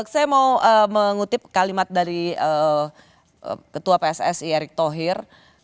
saya mau mengutip kalimat dari ketua pssi erick thohir